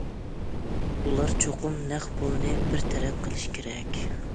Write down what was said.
ئۇلار چوقۇم نەق پۇلنى بىر تەرەپ قىلىشى كېرەك.